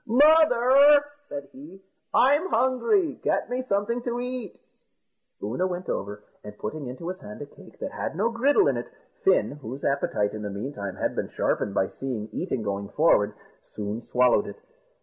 "Mother," said he, "I'm hungry get me something to eat." Oonagh went over, and putting into his hand a cake that had no griddle in it, Fin, whose appetite in the meantime had been sharpened by seeing eating going forward, soon swallowed it.